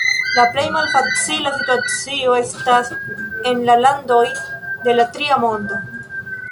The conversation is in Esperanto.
La plej malfacila situacio estas en la landoj de la Tria Mondo.